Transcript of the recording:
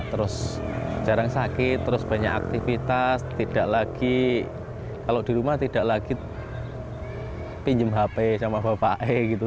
terus jarang sakit terus banyak aktivitas tidak lagi kalau di rumah tidak lagi pinjam hp sama bapak e gitu